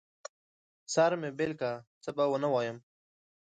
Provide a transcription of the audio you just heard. سر مې بېل که، څه به ونه وايم.